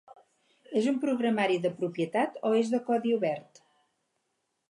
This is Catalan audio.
És un programari de propietat o és de codi obert?